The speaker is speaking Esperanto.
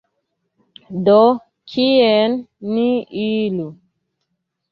Do, kien ni iru?